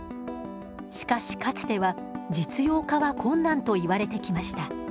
しかしかつては実用化は困難といわれてきました。